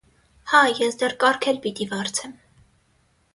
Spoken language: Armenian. Հա, ես դեռ կառք էլ պիտի վարձեմ: